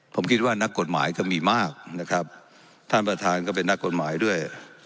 ผมคิดว่านักกฎหมายก็มีมากนะครับท่านประธานก็เป็นนักกฎหมายด้วย